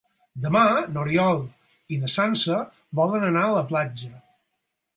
Demà n'Oriol i na Sança volen anar a la platja.